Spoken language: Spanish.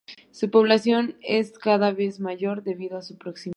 Su población es cada vez mayor debido a su proximidad a la capital.